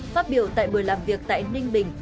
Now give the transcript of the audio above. phát biểu tại buổi làm việc tại ninh bình